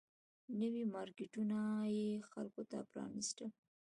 نوي مارکیټونه یې خلکو ته پرانيستل